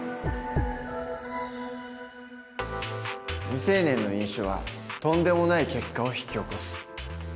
未成年の飲酒はとんでもない結果を引き起こす。